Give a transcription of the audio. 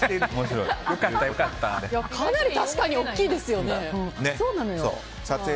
かなり確かに大きいですよね。